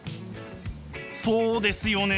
そうですよね！